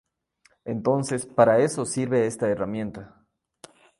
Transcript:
Entonces para eso sirve esta herramienta.